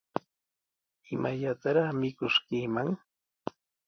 ¿Imallataraq mikuskiiman?